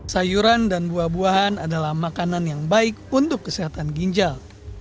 sayuran dan buah buahan adalah makanan yang baik untuk kesehatan ginjal